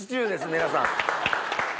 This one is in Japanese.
皆さん。